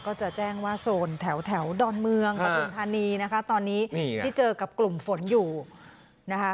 ก็จะแจ้งว่าโซนแถวดอนเมืองปฐุมธานีนะคะตอนนี้ที่เจอกับกลุ่มฝนอยู่นะคะ